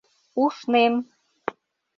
— УШНЕМ!..